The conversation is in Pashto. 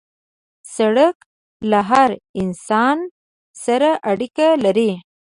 سړک له هر انسان سره اړیکه لري.